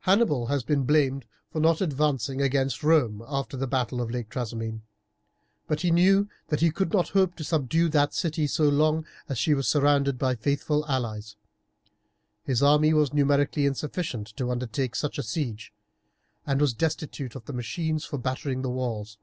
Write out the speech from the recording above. Hannibal has been blamed for not advancing against Rome after the battle of Lake Trasimene; but he knew that he could not hope to subdue that city so long as she was surrounded by faithful allies. His army was numerically insufficient to undertake such a siege, and was destitute of the machines for battering the walls.